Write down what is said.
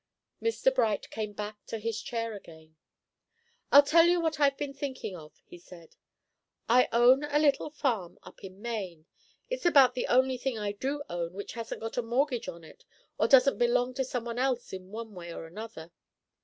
Mr. Bright came back to his chair again. "I'll tell you what I've been thinking of," he said. "I own a little farm up in Maine. It's about the only thing I do own which hasn't got a mortgage on it, or doesn't belong to some one else in one way or another.